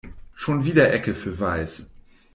Schon wieder Ecke für Weiß.